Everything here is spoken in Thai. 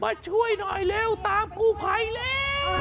มาช่วยหน่อยเร็วตามกู้ภัยเร็ว